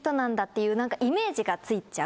いうイメージがついちゃう。